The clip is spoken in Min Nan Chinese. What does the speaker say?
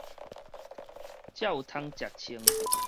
才有通食穿